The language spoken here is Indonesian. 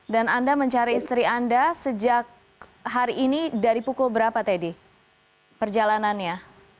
dan anda mencari istri anda sejak hari ini dari pukul berapa teddy perjalanannya